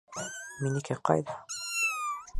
Минеке ҡайҙа?